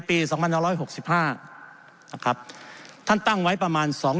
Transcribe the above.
ปีสองพันห้าร้อยหกสิบห้านะครับท่านตั้งไว้ประมาณสอง